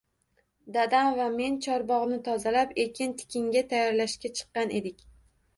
Dadam va men chorbogʻni tozalab, ekin-tikinga tayyorlashga chiqqan edik.